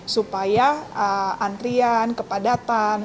supaya antrian kepadatan